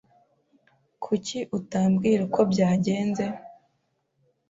Kuki utabwira uko byagenze?